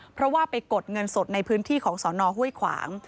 เพราะว่าไปกดเงินสดในพื้นที่ของสอนอห้วยขวาง